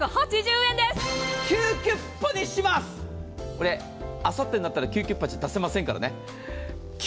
これ、あさってになったらキューキュッパで出せませんからね。